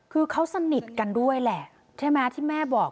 คือเขาสนิทกันด้วยแหละใช่ไหมที่แม่บอก